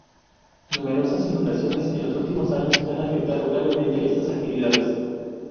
Numerosas inundaciones en los últimos años han afectado gravemente estas actividades.